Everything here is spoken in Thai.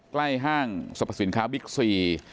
ใกล้ห้างสรรพสินค้าวิทย์๔